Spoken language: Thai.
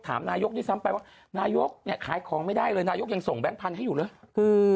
นายกด้วยซ้ำไปว่านายกเนี่ยขายของไม่ได้เลยนายกยังส่งแบงค์พันธุ์ให้อยู่เลยคือ